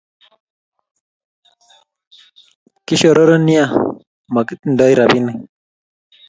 Kishororo nea mokitindoi rabinik